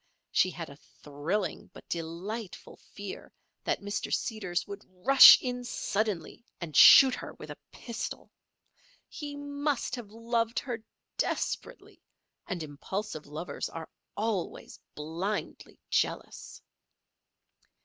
She had a thrilling but delightful fear that Mr. Seeders would rush in suddenly and shoot her with a pistol. He must have loved her desperately; and impulsive lovers are always blindly jealous.